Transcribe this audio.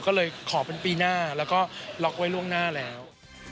ก็เลยขอเป็นปีหน้าแล้วก็ล็อกไว้ล่วงหน้าแล้ว